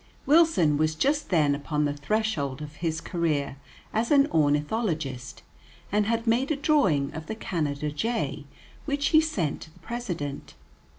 Wilson was just then upon the threshold of his career as an ornithologist, and had made a drawing of the Canada jay which he sent to the President.